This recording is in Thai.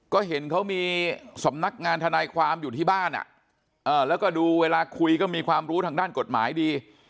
ก็เห็นเขามีสำนักงานทนายความอยู่ที่บ้านแล้วก็ดูเวลาคุยก็มีความรู้ทางด้านกฎหมายดี